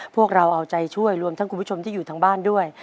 พวกเราเอาใจช่วยรวมทั้งคุณผู้ชมที่อยู่ทางบ้านด้วย